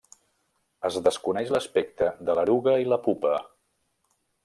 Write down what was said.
Es desconeix l'aspecte de l'eruga i la pupa.